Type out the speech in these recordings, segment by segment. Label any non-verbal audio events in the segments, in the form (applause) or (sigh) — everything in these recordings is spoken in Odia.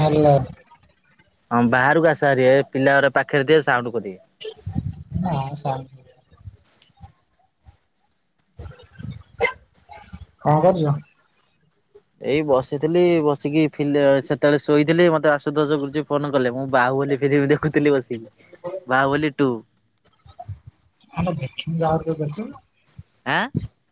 ହାଲୋ ହଁ ବାହାରକୁ ଆସଭାରି ପିଲାରା ପାଖରେ ଦି ସାଉଣ୍ଡ କରିବେ। ହଁ ସାଉଟୁ କଣ କରୁଛ? ଏଇ ବସିଥିଲି ବସିକି ଫିଲି ସେତେବେଳେ ଶୋଇଥିଲି ମତେ ଆସୁ ଦୋଷ ଗୁରୁଜୀ ଫୋନ କଲେ ମୁଁ ବାହାଘ ହିନ୍ଦୀ ଫିଲିମି ଦେଖୁଥିଲି ବସିକି ବାହୁବଲି ଟୁ ଆମେ ଦେଖିକି ବହାଘରିଚୁ ଦେଖିନୁ। ଆଁ।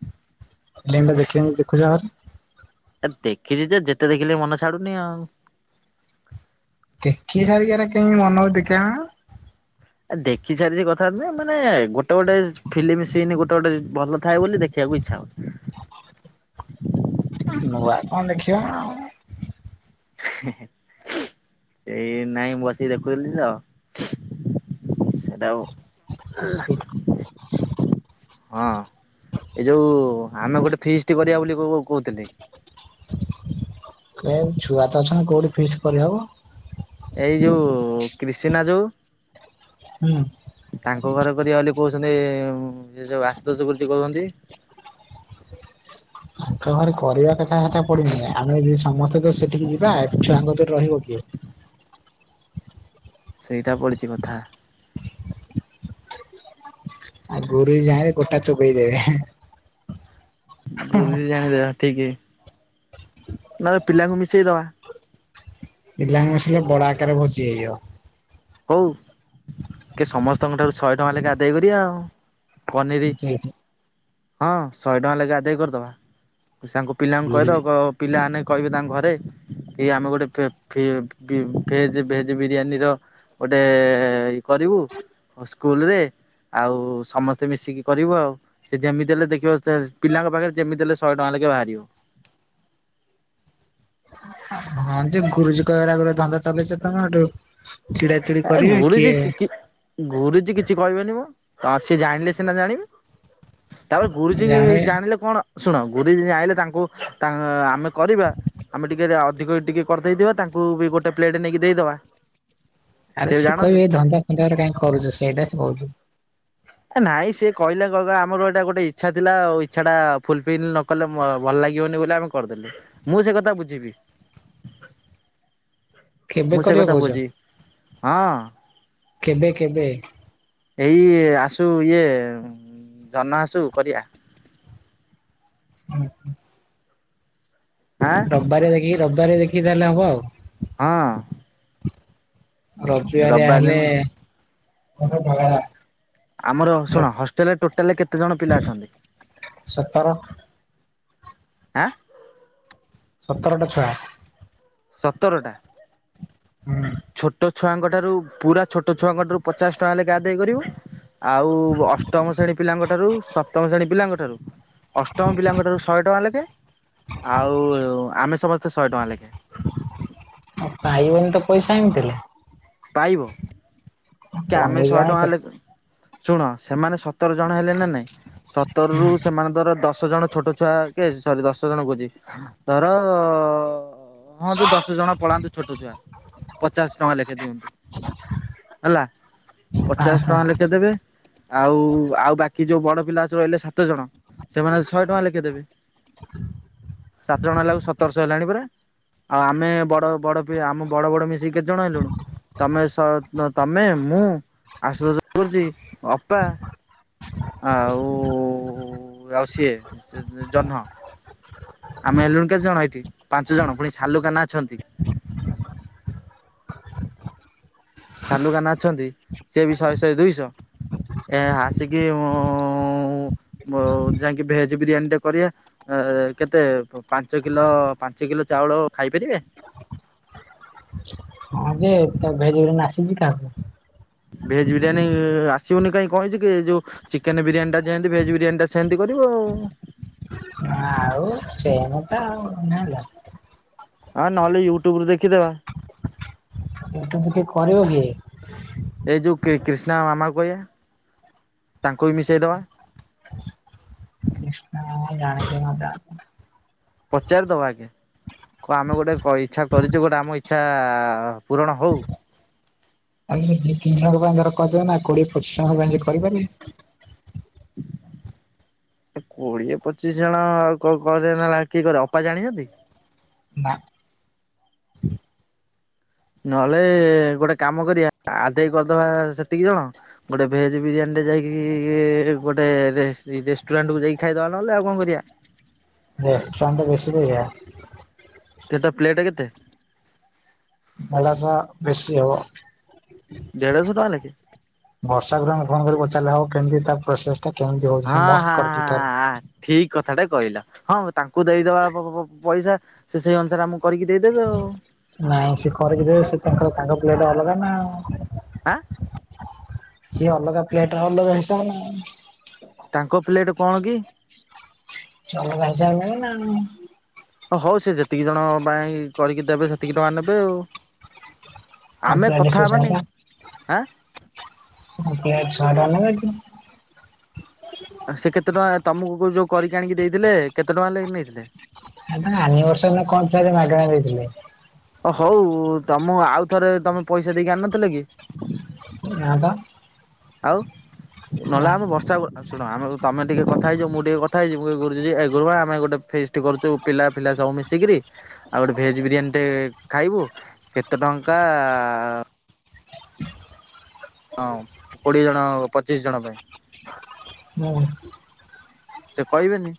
(inaudible) ଏ ଦେଖିଛି ଯେ ଯେତେ ଦେଖିଲି ମନ ଛାଡୁନି ଆଉ। ଦେଖି ସାରିକି ଏରା କେମିତି ମନ ହଉ ଦେଖା ଆ ଦେଖି ସାରିଛି କଥା ନୁହେଁ ମାନେ ଗୋଟେ ଗୋଟେ ଫିଲ୍ମ ସିନ୍ ଗୋଟେ ଗୋଟେ ଭଲ ଥାଏ ବୋଲି ଦେଖେ। କୁ ଇଚଛା ହଉଛି। ନୂଆ କଣ ଦେଖିବା ନା ଆଉ। ହେଁ ହେଁ ସେଇ ନାଇଁ ମୁଁ ବସିକି ଦେଖୁଥିଲି ତ ସେଇଟା ଆଉ। ହଁ ଏ ଯୋଉ ଆମେ ଗୋଟେ ଫିଷ୍ଟି କରିବା ବୋଲି କହୁଥିଲି। ଏ ଛୁଆ ତ ଅଛନ୍ତି କୋଉଠି ଫିକ୍ସ କରିହବ? ଏଇ ଯୋଉ କ୍ରିସିନା ଯୋଉ ହୁଁ ତାଙ୍କ ଘର କରିବା ବୋଲି କହୁଛନ୍ତି ଯେ ଯୋଉ ଆଶୁତୋଷ କରିଛି କହୁଛନ୍ତି। ତାଙ୍କ ଘରେ କରିବା କଥା କତା ପଡିିନି ଆମେ ଯଦି ସମସ୍ତେ ତ ସେଠିକି ଯିବା ଏଠି ଛୁଆଙ୍କ କତିରେ ରହିବ କିଏ? ସେଇଟା ପଡିଛି କଥା। ଆଉ ଗୁରୁଜୀ ଯାଇଲେ ଗୋଟା ଚୋବେଇ ଦେବେ। ଗୁରୁଜୀ ଜାଣିଲେ ହଁ ଠିକ। ନଲେ ପିଲାଙ୍କୁ ମିଶେଇ ଦବା। ପିଲାଙ୍କୁ ମିସେଇଲେ ବଡ ଆକାରରେ ଭୋଜି ହେଇଯିବ। ହଉ କି ସମସ୍ତଙ୍କ ଠାରୁ ଶହେ ଟଙ୍କା ଲେଖା ଆଦାୟ କରିବା ଆଉ। ହଁ ପନିର ଯେ ହଁ ଶହେ ଟଙ୍କା ଲେଖାଏ ଆଦେଇ କରିଦବା। ସାଙ୍କୁ ପିଲାଙ୍କୁ କହିଦବ କ ପିଲା ଆନେ କହିବେ ତାଙ୍କ ଘରେ କି ଆମେ ଗୋଟେ ଫେ-ଫି ଭେଜ ଭେଜ ବିରିୟାନୀର। ଗୋଟେ ଇ କରିବୁ ସ୍କୁଲରେ। ଆଉ ସମସ୍ତେ ମିଶିକି କରିବୁ ଆଉ ସେ ଯେମିତି ହେଲେ ଦେଖିବ ଚା ପିଲାଙ୍କ ପାଖରେ ଯେମିତି ହେଲେ ଶହେ ଟଙ୍କା ଲାଖ୍ ବାହାରିବ। ହଁ ଯେ ଗୁରୁଜୀ କହିବେଏରା ଗୁରେ ଧନ୍ଦା ଚାଲେଇଛ ତମେ ଏଠୁ ଏ ଘୁରୁଛି ଚିକି ଘୁରୁଛି କିଛି କହିବେନି ମ। ହଁ ସିଏ ଜାଣିଲେ ସିନା ଜାଣିବେ ତାପରେ ଗୁରୁଜୀ ଜାଣି ଜାଣିଲେ କଣ ଶୁଣ ଗୁରୁଜୀ ଯାନିଲେ ତାଙ୍କୁ ତା ଆମେ କରିବା। ଆମେ ଟିକେ ଅଧିକ ଟିକେ କରି ଦେଇଥିବା ତାଙ୍କୁ ବି ଗୋଟେ ପ୍ଲେଟ୍ ନେଇକି ଦେଇଦେବା। ଆରେ ସିଏ କହିବେ ଏଇ ଧନ୍ଦା ଫନ୍ଦାରେ କାଇଁ କରୁଛ ସେଇଟା ହିଁ ବହୁତ। ନାଇଁ ସିଏ କହିଲେ କହିବା ଆମର ଏଇଟା ଗୋଟେ ଇଚ୍ଛା ଥିଲା ଆଉ ଇଚ୍ଛା ଟା ଫୁଲ୍ ଫିଲ୍ ନ କଲେ ମ ଭଲ ଲାଗିବନି ବୋଲି ଆମେ କରିଦେଲୁ ମୁଁ ସେ କଥା ବୁଝିବି। ମୁଁ କେବେ ସେ କରିବା କଥା କହୁଛ? ବୁଝିବି ହଁ। କେବେ କେବେ? ଏଇ ଆସୁ ଇଏ ଜହ୍ନ ଆସୁ କରିଆ। ଆଁ ରବିବାର ଦେଖିକି ରବିବାର ଦେଖିକି ତାହେଲେ ହବ ଆଉ। ହଁ। ରବିବାରିଆ ରବିବାର ହେଲେ। ଦିନ ଆମର ଶୁଣ ହଷ୍ଟେଲରେ ଟୋଟାଲ କେତେ ଜଣ ପିଲା ଅଛନ୍ତି? ସତର। ଆଁ। ସତରଟା ଛୁଆ। ସତରଟା ହୁଁ ଛୋଟ। ଛୁଆଙ୍କ ଠାରୁ ପୁରା ଛୋଟ ଛୁଆଙ୍କ ଠାରୁ ପଚାଶ ଟଙ୍କା ଲେଖାଏ ଆଦେଏ କରିବୁ। ଆଉ ଅଷ୍ଟମ ଶ୍ରେଣୀ ପିଲାଙ୍କ ଠାରୁ ସପ୍ତମ ଶ୍ରେଣୀ ପିଲାଙ୍କ ଠାରୁ ଅଷ୍ଟମ ପିଲାଙ୍କ ଠାରୁ ଶହେ ଟଙ୍କା ଲେଖେ ଆଉ ଆମେ ସମସ୍ତେ ଶହେ ଟଙ୍କା ଲେଖେ। ପାଇାବନି ତ ପଇସା ଏମିତି ହେଲେ। ପାଇବ। କି ଆମେ ପନିର ଶହେ ଆଣେ ଟଙ୍କା ହେଲେ କେତେ ଶୁଣ ସେମାନେ ସତର ଜଣ ହେଲେ ନା ନାଇଁ ସତରରୁୁ ସେମାନେ ଧର ଦଶ ଜଣ ଛୋଟ ଛୁଆ। ସରି ଦଶ ଜଣ କହୁଛି ଧର ଆଁ ହୁଅନ୍ତୁ ଦଶ ଜଣ ପଳାନ୍ତୁ ଛୋଟ ଛୁଆ ପଚାଶ ଟଙ୍କା ଲେଖା ଦିଅନ୍ତୁ। ହେଲା ହଁ ପଚାଶ ହଁ ଟଙ୍କା ଲେଖାଦେବେ ଆଉ ଆଉ ବାକି କି ଯୋଉ ବଡ ପିଲା ରହିଲେ ସାତ ଜଣ ସେମାନେ ଶହେ ଟଙ୍କା ଲେଖିଦେବେ। ସାତ ଜଣ ହେଲା ବେ ସତରଶହ ହେଲାଣି ପୁରା ଆଉ ଆମେ ବଡ ବଡ ଆମ ବଡ ବଡ ମିଶିକି କେତେ ଜଣ ହେଲୁଣି ତମେ ତମେ ମୁଁ ଆସିଷ ଗୁରୁମା ଅପା ଆଉ ଆଉ ସିଏ ଜହ୍ନ ଆମେ ହେଲୁଣି କେତେ ଜଣ ଏଇଠି ପାଞ୍ଚ ଜଣ ପୁଣି ସାଲୁ କାହ୍ନା ଅଛନ୍ତି। ସାଲୁ କାହ୍ନା ଅଛନ୍ତି ସିଏ ବି ଶହେ ଶହେ ଦୁଇଶହ ଏ ଆସିକି ମୁ ଯାଇିକି ଭେଜ ବିରିୟାନୀ ଟେ କରିବା କେତେ ପାଞ୍ଚ କିଲୋ କିଲୋ ଚାଉଳ ଖାଇପାରିବେ? ହଁ ଯେ ତା ଭେରିରି ନାସିଛି କାହାକୁ ଭେଜ ବିରିୟାନୀ ଆସିବନି କାହିଁକି କଣ ହେଇଛି କି, ଯୋଉ ଚିକେନ ବିରିୟାନୀ ଟା ଯେମିତି ଭେଜ ବିରିୟାନୀ ଟା ସେମିତି କରିବ। ହଁ। ହ ଆଉ ସେନ ତ ଆଉ ଜାଣିଲା। ହଁ ନହେଲେ ୟୁଟ୍ୟୁବରେ ଦେଖିଦବା। ଏଟା ତ କିଏ କରିବ କିଏ? ଏଇ ଯୋଉ କ୍ରିଷ୍ଣା ମାମା କହିବା ତାଙ୍କୁ ବି ମିଶେଇଦବା। କୃଷ୍ଣ ଜାଣିଛ ନ? ଚାରି ଦେବା ଆଜ୍ଞା। କ ଆମେ ଗୋଟେ ଇଛା କରିଛୁ, ଗୋଟେ ଆମ ଇଚ୍ଛା ପୂରଣ ହଉ। ଆଉ ଦି ତିନି ଜଣ ପାଇଁ ଧର କରିଦେବା ନା କୋଡିଏ ପଚିଶ ଜଣ ପାଇଁ ସେ କରିପାରିବେ। (inaudible) କୋଡିଏ ପଚିଶ ଜଣ ଆଉ କଣ କରିଏନି ଆଉ କିଏ କରିଅ ଅପା ଜାଣିଛନ୍ତି? (inaudible) ନହେଲେ ଗୋଟେ କାମ କରିବା ଆଦାୟ କରିଦବା ସେତିକି ଜଣ ଗୋଟେ ଭେଜ ବିରିୟାନୀ। ଯାଇକି ଗୋଟେ ରେଷ୍ଟୁରାଣ୍ଟ କୁ ଯାଇକି ଖାଇଦବା ନହଲେ ଆଉ କଣ କରିବା? ରେଷ୍ଟୁରାଣ୍ଟ ରେ ବେଶୀ ପଇସା। କେତେ ପ୍ଲେଟ୍ କେତେ? ପାଲାସା ବେଶୀ ହବ। ଦେଢ଼ଶହ ଟଙ୍କା ଲେଖେ ବର୍ଷା ଘରେ ଆମେ ଫନ କରିକି ପଚାରିଲେ ହବ କେମତି ତା ପ୍ରୋସେସ ଟା କେମିତି ହଉଛି ସେ ହଁ ମସ୍ତ ହଁ କରିଛି ତାର। ହଁ ଠିକ କଥା। କଥାଟେ କହିଲା ହଁ ତାଙ୍କୁ ଦେଇଦବା, ପଇସା ସେ ସେଇ ଅନୁସାରେ ଆମକୁ କରିକି ଦେଇଦେବ ଆଉ। ନାଇଁ ସେ କରିକି ଦେବେ ସେ ତାଙ୍କର ତାଙ୍କ ପ୍ଲେଟ ଅଲଗା ନା। ଆଁ? ସିଏ ଅଲଗା ପ୍ଲେଟ ଅଲଗା ହିସାବ ନା ଆଉ। ତାଙ୍କ ପ୍ଲେଟ୍ କଣ କି? ଚାଲ ଭାଇ ସାଙ୍ଗରେ ନ ଆଉ। ହଁ ହଉ ସେ ଯେତିକି ଜଣ ପାଇଁ କରିକି ଦେବେ ସେ ସେତିକି ଟଙ୍କା ନେବେ ଆଉ। କଣ ଆମେ ପ୍ଲେଟ କଥା ଶହେ ହେବାନି ଟଙ୍କା ଆଁ। ମୋତେ ଆଉ (unintelligible) ସେ କେତେ ଟଙ୍କା ତମକୁ ଯୋଉ କରିକି ଆଣିକି ଦେଇଥିଲେ କେତେ ଟଙ୍କା ଲେଖେ ନେଇଥିଲେ? ଆ ତାଙ୍କ ଆନିବର୍ଶରି କଣ ଖାଇବା ମାଗଣା ଦେଇଥିଲେ? ଓ ହଉ ତମ ଆଉ ଥରେ ତମେ ପଇସା ଦେଇକି ଆଣିନଥିଲେ କି? ନା ଵା। ଆଉ। ନହେଲେ ଆମେ ବର୍ଷା ଶୁଣୁ ଆ ତମେ ଟିକେ କଥା ହେଇଜିବ ମୁଁ ଟିକେ କଥା ହେଇଯିବି ଗୁରୁଜି ଏ ଗୁରୁମା ଆମେ ଗୋଟେ ଫେଷ୍ଟ କରୁଛୁ ପିଲା ପିଲା ସବୁ ମିଶିକିରି ଆଉ ଗୋଟେ ଭେଜ ବିରିୟାନୀ ଟେ ଖାଇବୁ କେତେ ଟଙ୍କା? ଟଙ୍କା ହଁ କୋଡିଏ ଜଣ ପଚିଶି ଜଣ ପାଇଁ। ହୁଁ ସେ କହିବେନି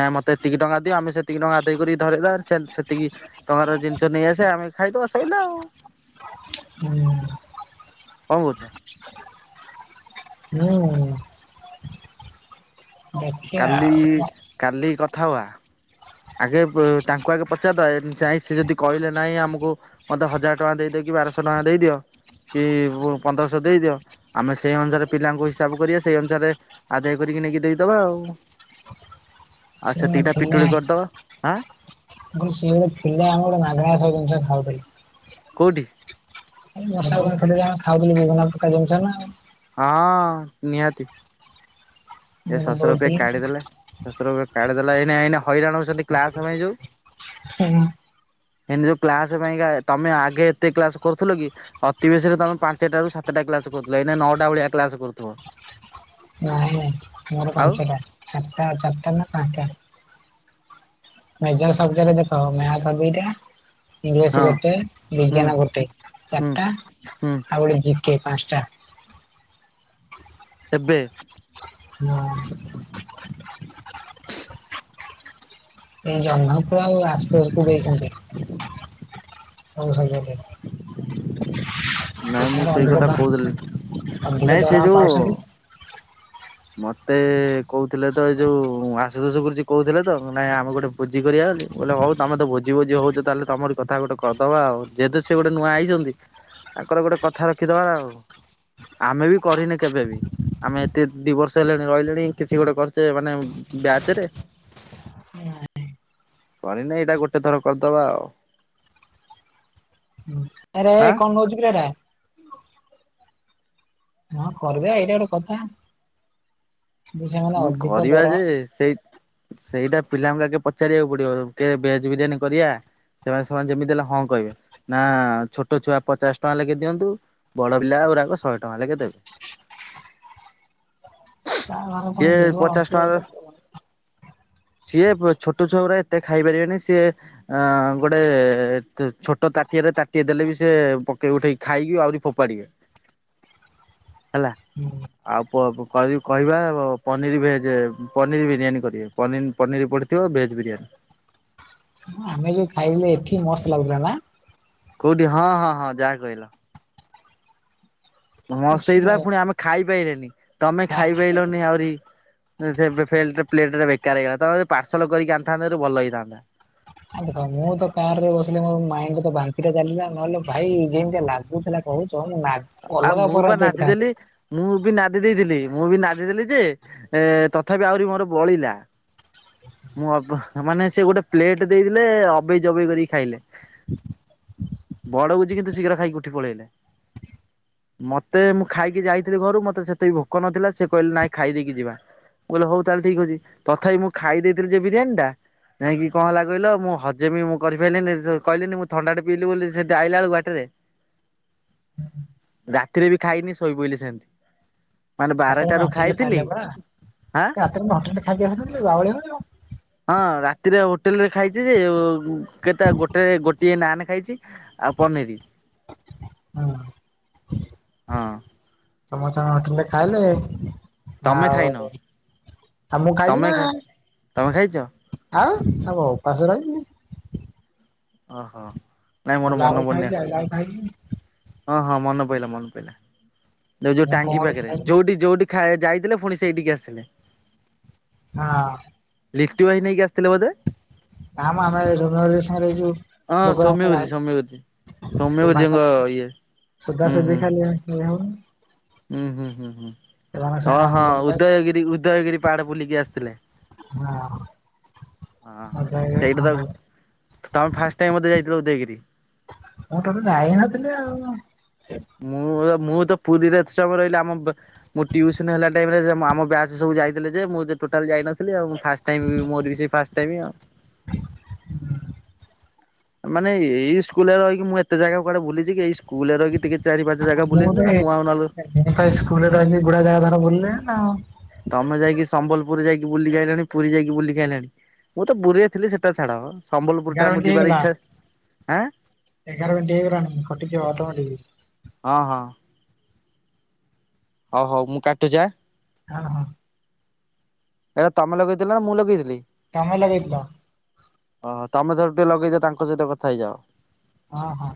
ନାଇଁ ମତେ ଏତିକି ଟଙ୍କା ଦିଅ ଆମେ ସେତିକି ଟଙ୍କା ଦେଇକରି ଧରିଦବା ସେତିକି ଟଙ୍କାର ଜିନିଷ ନେଇ ଆସିବା ଆମେ ଖାଇଦବା ଶଇଲା ଆଉ। ହୁଁ। କଣ କରୁଚ? ହୁଁ ଦେଖିଆ କାଲି ଆଉ। କାଲି କଥା ହବା। ଆଗେ ତାଙ୍କୁ ଆଗେ ପଚରିଦବା ସେ ଯଦି କହିଲେ ନାହିଁ ଆମକୁ ମତେ ହଜାର ଟଙ୍କା ଦେଇଦେଇକି ବାରଶହ ଟଙ୍କା ଦେଇଦିଅ। କି ପନ୍ଦରଶହ ଦେଇଦିଅ ଆମେ ସେଇ ଅନୁସାରେ ପିଲାଙ୍କୁ ହିସାବ କରିବା ସେଇ ଅନୁସାରେ ଆଦାୟ କରିକି ନେଇକି ଦେଇଦବା ଆଉ ସେ ଜଣେ ସେତିକି ଟା ଥିଲେ ପୁଟୁଳି କରିଦବା ଆ। ସିଏ ଗୋଟେ ଥିଲା ଆମେ ଗୋଟେ ମାଗଣା ସବୁ ଜିନିଷ ଖାଉଥିଲା। କଉଠି? ବର୍ଷା ଦିନ ଆମେ ଖାଉଥିଲୁ ବିଭିନ୍ନ ପ୍ରକାର ଜିନିଷ ନା ଆଉ ହଁ ନିହାତି। ଏ ମୁଁ ଶସୁର ପିଏ ଦଉଥିଲି ନା। କାଢିଦେଲା। ଶଶୁର କାଢି ଦେଲା ଏଇ ଏଇ ହଇରାଣ ହଉଛନ୍ତି କ୍ଲାସ ପାଇଁ ଯୋଉ। ହୁଁ। ଏନେ ଯୋଉ କ୍ଲାସ ପାଇଁକା ତମେ ଆଗେ ଏତେ କ୍ଲାସ କରୁଥିଲ କି ।ଅତିିବେଶୀରେ ତମେ ପାଞ୍ଚଟାରୁ ସାତ ସତଟା କ୍ଲାସ କରୁଥିଲା ଏଇନା ନଅଟା ଭଳିଆ କ୍ଲାସ କରୁଥିବ। ନାଇଁ ନାଇଁ। ମୋର ଆଉ ପାଞ୍ଚଟା ଚାରିଟା ଚାରିଟା ନା ପାଞ୍ଚଟା? ସବ ଜା ଦେଖ ମ୍ୟାଥ ଦିଇଟା ଇଂଲିଶ ହଁ ଗୋଟେ ହୁଁ ବିଜ୍ଞାନ ଗୋଟେ ହୁଁ ଚାରିଟା ହୁଁ ଆଉ ଗୋଟେ ପାଞ୍ଚଟା। ଏବେ (inaudible) ହଁ। ଜହନ ପୁର ଆଉ ଆସ୍ତକୁ ଦେଇଛନ୍ତି। ସବୁ (unintelligible) (inaudible) ସେ ନାଇଁ ମୁଁ ତାଙ୍କର ସେଇ ଅଧିକ କଥା ଦ କହୁଥିଲି ଅଧିକ ନାଇଁ ସେ ଦରମା ଯୋଉ ପାଉଛନ୍ତି। ମତେ କହୁଥିଲେ ତ ଏଇ ଯୋଉ ଆଶୁ ଦୋଷ ଗୁରୁଜୀ କହୁଥିଲେ ତ ନାଇଁ ଆମେ ଗୋଟେ ଭୋଜି କରିବା। କହିଲେ ହଉ ତମେ ତ ଭୋଜି ଭୋଜି ହଉଛ ତାହେଲେ ତମରି କଥା ଗୋଟେ କହିଦବା ଆଉ ଯେହେତୁ ସେ ଗୋଟେ ନୂଆ ଆଇଛନ୍ତି ତାଙ୍କର ଗୋଟେ କଥା ରଖିଦବା ଆଉ ଆମେ ବି କରିନେ କେବେବି ଆମେ ଏତେ ଦି ବର୍ଷ ହେଲେଣି ରହିଲେଣି କିଛି ଗୋଟେ କରିଛେ ମାନେ ବ୍ୟାଚରେ? କରିନି ଏଇଟା ଗୋଟେ ଥର କରିଦବା ଆଉ। ଆରେ ଏ ଆଁ କଣ କରୁଛୁ କିରେ ଏରା? ହଁ କରିଦେ ଏଇଟା ଗୋଟେ କଥା। ଯେ ସେମାନେ ହୁଁ ଅଧିକ କରିବା ଦର ଯେ ସେଇ ସେଇଟା ପିଲାଙ୍କୁ ଆଗେ ପଚାରିବାକୁ ପଡିବ କି ଭେଜ ବିରିୟାନୀ କରିବା ସେମାନେ ସେମାନେ ଯେମିତି ହେଲେ ହଁ କହିବେ। ନା ଛୋଟ ଛୁଆ ପଚାଶ ଟଙ୍କା ଲାଖେ ଦିଅନ୍ତୁ ବଡ ପିଲା ଶହେ ଟଙ୍କା ଲେଖେଦେବେ। କହା ଘରେ ପୁଣି ଥିବ ନା ପଚାଶ ଟଙ୍କାର ଥିବ? ସିଏ ଛୋଟ ଛୁଆ ପୁରା ଏତେ ଖାଇ ପାରିବେନି ସିଏ ଅ ଗୋଟେ ଛୋଟ ତାଟିଆରେ ତାଟିଏ ଦେଲେ ବି ସେ ପକେଇ ଉଠେଇକି ଖାଇକି ଆହୁରି ଫୋପାଡିବେ। ହେଲା ଆଉ କହିବା ପନିର ଭେଜ୍ ପନିର ବିରିୟାନୀ କରିବେନି ପନିର ପଡ଼ିଥିବ ଭେଜ୍ ବିରିୟାନୀ। (inaudible) ଆମେ ଯୋଉ ଖାଇଲେ ଏଠି ମସ୍ତ ଲାଗୁଥିଲା ନା? କୋଉଠି ହଁ ହଁ ହଁ ଯାହା କହିଲ। ମସ୍ତ ହେଇଥିଲା ପୁଣି ସେଟା ଆମେ ଖାଇପାଇଲେନି ତମେ ଖାଇପାଇଲନି ଆହୁରି। ପ୍ଲେଟ ଟା ବେକାର ହେଇଗଲା ତେ ଯ ପାର୍ସଲ କରିକି ଆଣିଥାନ୍ତତ ଭଲ ହେଇଥାନ୍ତା। ଆ ଦେଖ ମୁଁ ତ କାର ରେ ବସିଲି ମୋର ମାଇଣ୍ଡ ତ ବାନ୍ତି ଟା ଚାଲିଲା। ନହେଲେ ଭାଇ ଇ ଯେମତି ଲାଗୁଥିଲା କହୁଚ୍ଛୁ। ଆଉ ମୁଁ ବା ନାଦିଦେଲି, ମୁଁ ବି ନାଦି ଦେଇଥିଲି। ମୁଁ ବି ନାଦି ଦେଲି ଯେ ଏ ତଥାପି ଆହୁରି ମୋର ବଳିଲା। ମୁଁ ଅଳ୍ପ ମାନେ, ସେ ଗୋଟେ ପ୍ଲେଟ ଦେଇଦେଲେ ଅବେଇ ଜବେଇ କରିକି ଖାଇଲେ। ବଡ ଭୋଜି କିନ୍ତୁ ଶୀଘ୍ର ଖାଇକି ଉଠି ପଳେଇଲେ। ମତେ ମୁଁ ଖାଇକି ଯାଇଥିଲି ଘରୁ ମତେ ସେତେ ବି ଭୋକ ନଥିଲା, ସେ କହିଲେ ନାଇଁ ଖାଇ ଦେଇକି ଯିବା। ମୁଁ କହିଲ ହଉ ତାହଲେ ଠିକ ଅଛି ତଥାପି ମୁଁ ଖାଇ ଦେଇଥିଲି ଯେ ବିରିୟାନୀ ଟା ନାଇଁକି କଣ ହେଲା କହିଲ, ମୁଁ ହଜମି ମୁଁ କରିପାଇଲିିନି ସେ କହିଲିନି ମୁଁ ଥଣ୍ଡାଟେ ପିଇଲିି ବୋଲି ସେଠି ଆଇଲା ବେଳକୁ ବାଟରେ। ରାତିରେ ବି ଖାଇନି ଶୋଇପଡ଼ିଲି ସେମିତି। ମାନେ ରାତି ରେ ଆମେ ବାରଟାରୁ ହୋଟେଲରେ ଖାଇଥିଲି ଖାଇଲେ ପରା, ହାଁ ରାତିରେ ଆମେ ହୋଟେଲରେ ଖାଇକି ଆସିନଥିଲେ, ବାଉଳେଇ ହଉଚୁ? ହଁ ରାତିରେ ହୋଟେଲ ରେ ଖାଇଛି ଯେ, କେତେ ଗୋଟେ ଗୋଟିଏ ନାନ୍ ଖାଇଛି ଆ ପନିରି। ହଁ। ହଁ। ସମସ୍ତେ ଆମେ ହୋଟେଲରେ ଖାଇଲେ। ତମେ ଖାଇନ ଆଉ, ଆଉ ମୁଁ ଖାଇଛି ତମେ ନା। ଖା ତମେ ଖାଇଛ ଆଉ ଆଉ କଣ୍ ଉପାଶ ରହିବି? ଓ ହ। ଗଲା ବେଳକୁ ଖାଇଛି ଆଇଲା ବେଳକୁ ଖାଇଛି। ହଁ ହଁ ମନେ ପଇଲା ମନେ ପଇଲା ଯୋଉ ଯୋଉ ମୁଁ ଟାଙ୍ଗୀ କଣ ପାଖରେ ଖାଇଲି ଯୋଉଠି ଯୋଉଠି ଖାଇବାକୁ ଯାଇଥିଲେ ପୁଣି ସେଇଠିକି ଆସିଲେ। ହଁ। ଲିଫ୍ଟି ଭାଇ ନେଇକି ଆସିଥିଲେ ବୋଧେ? କାମ ଆମେ ଜ ସାଙ୍ଗରେ ଯୋଉ ହଁ ଲୋକ ସୌମ୍ୟ ଗୁରୁଜୀ ସୌମ୍ୟ ଗୁରୁଜୀ। ଭାଷା ସୌମ୍ୟ ସେ ଗୁରୁଜୀଙ୍କ ଭାଷା ଇଏ ସୋଦା ହୁଁ ହୁଁ ସୋଦୀ ଖାଲି ହେଲେ ଆଉ । ହୁଁ ହୁଁ ହୁଁ ହୁ। ସେମାନଙ୍କ ସାଙ୍ଗେ ହଁ ଆମେ ହଁ ଭଲ ପାଇଲୁ ଉଦୟଗିରି ଉଦୟଗିରି ପାହାଡ ବୁଲିକି ଆସିଥିଲେ। ହଁ ହଁ। ହଁ ସେଇଟା ତ (inaudible) ତମେ ଫାଷ୍ଟ ଟାଇମ ବୋଧେ ଯାଇଥିଲ ଉଦୟଗିରି? ମୁଁ ଟୋଟାଲ ଯାଇ ହି ନଥିଲି ଆଉ। ମୁଁ ମୁଁ ତ ପୁରୀରେ ଏତେ ସମୟ ରହିଲି, ଆମ ମୁଁ ଟିୟସନ ହେଲା ଟାଇମ ରେ ଆମ ବ୍ୟାଚ ସବୁ ଯାଇଥିଲେ ଯେ ମୁଁ ଟୋଟାଲ ଯାଇନଥିଲି ଆଉ ଫାଷ୍ଟ ଟାଇମ, ମୋର ବି ସେଇ ଫାଷ୍ଟ ଟାଇମ ଆଉ। ମାନେ ଏଇ ସ୍କୁଲରେ ରହିକି ମୁଁ ଏତେ ଜାଗା କୁଆଡେ ବୁଲିଛି କି, ଏଇ ସ୍କୁଲରେ ରହିକି ଟିକେ ଚାରି ପାଞ୍ଚ ଜାଗା ମୁଁ ବୁଲିଲି ତ ନା ଏ ଆଉ ନହେଲେ ମୁଁ ତ ଏଇ ସ୍କୁଲରେ ରହି ଗୁଡାଏ ଜାଗା ଧର ବୁଲିଲିଣୀ ନାଉ। ତମେ ଯାଇକି ସମ୍ବଲପୁର ଯାଇକି ବୁଲିିକି ଆଇଲାଣୀ, ପୁରୀ ଯାଇକି ବୁଲିକି ଆଇଲିଣି, ମୁଁ ତ ପୁରୀରେ ଥିଲି ସେଟା ଛାଡ। ସମ୍ବଲପୁର ଏଗାର ଟା ମୁଁ ମିନିଟ୍ ଯିବାର ହେଇଗଲା ଇଚ୍ଛା ଆଁ ଏଗାର ମିନିଟ୍ ହେଇଗଲାଣି କଟିଯିବ ଅଟୋମେଟିକ୍। ହଁ ହଁ ହଉ ହଉ ମୁଁ କାଟୁଚି ଆ? ହଁ ହଁ। ଏଇଟା ତମେ ଲଗେଇଥିଲ ନା ମୁଁ ଲଗେଇଥିଲି? ତମେ ଲଗେଇଥିଲ। ଓହୋ ତମେ ଥରେ ଟିକେ ଲଗେଇଦିଅ ତାଙ୍କ ସହିତ କଥା ହେଇଯାଅ। ହଁ ହଁ।